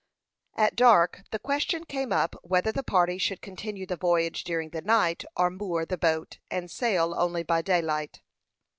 At dark the question came up whether the party should continue the voyage during the night, or moor the boat, and sail only by daylight.